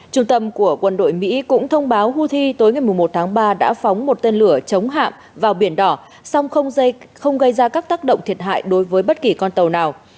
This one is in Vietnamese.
trung tâm của quân đội mỹ cũng thông báo houthi tối ngày một tháng ba đã phóng một tên lửa chống hạm vào biển đỏ song không gây ra các tác động thiệt hại đối với bất kỳ con tàu nào